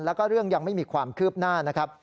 แล้วก็เรื่องยังไม่มีความคืบหน้านะครับ